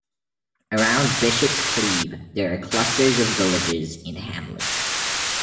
Around Bishop's Cleeve there are clusters of villages and hamlets.